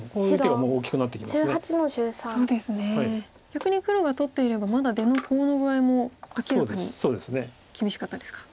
逆に黒が取っていればまだ出のコウの具合も明らかに厳しかったですか。